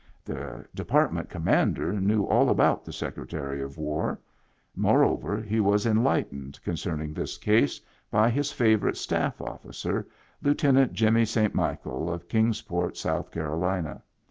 The Department Com mander knew all about the Secretary of War; moreover, he was enlightened concerning this case by his favorite staff officer. Lieutenant Jimmy St. Michael, of Kings Port, South Carolina.